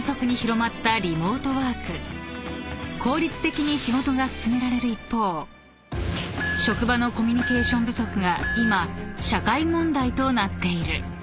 ［効率的に仕事が進められる一方職場のコミュニケーション不足が今社会問題となっている］